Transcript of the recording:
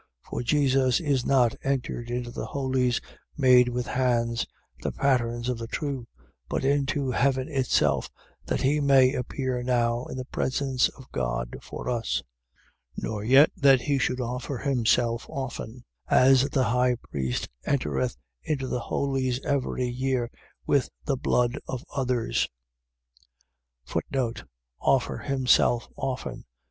For Jesus is not entered into the Holies made with hands, the patterns of the true: but into Heaven itself, that he may appear now in the presence of God for us. 9:25. Nor yet that he should offer himself often, as the high priest entereth into the Holies every year with the blood of others: Offer himself often.